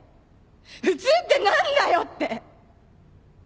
普通って何だよって！